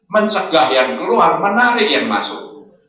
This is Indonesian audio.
mencegah yang keluar menarik yang masuk